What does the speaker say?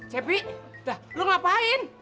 cepi dah lo ngapain